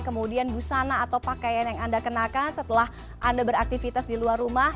kemudian busana atau pakaian yang anda kenakan setelah anda beraktivitas di luar rumah